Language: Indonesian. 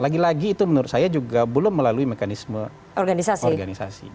lagi lagi itu menurut saya juga belum melalui mekanisme organisasi